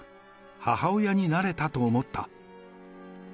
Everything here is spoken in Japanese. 母親になれたと思った。